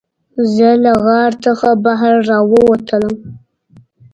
زه له غار څخه بهر راووتلم.